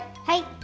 はい。